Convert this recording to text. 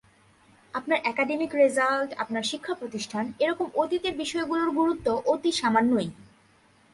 আপনার academic result, আপনার শিক্ষাপ্রতিষ্ঠান—এ রকম অতীতের বিষয়গুলোর গুরুত্ব অতি সামান্যই।